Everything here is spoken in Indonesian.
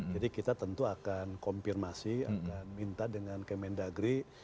kita tentu akan konfirmasi akan minta dengan kemendagri